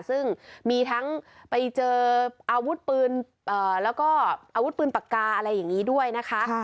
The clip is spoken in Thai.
ซึ่งมีทั้งไปเจออาวุธปืนแล้วก็อาวุธปืนปากกาอะไรอย่างนี้ด้วยนะคะ